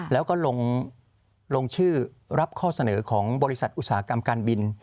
แล้วก็ลงชื่อรับข้อเสนอของบริษัทอุตสาหกรรมการบิน